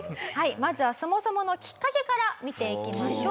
まずはそもそものきっかけから見ていきましょう。